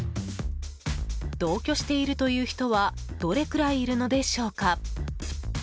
同居しているという人はどれくらいいるのでしょうか？